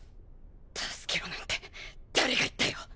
助けろなんて誰が言ったよ。